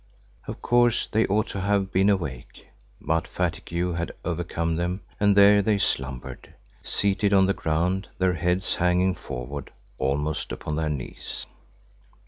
Of course they ought to have been awake, but fatigue had overcome them and there they slumbered, seated on the ground, their heads hanging forward almost upon their knees.